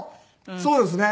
そうですね。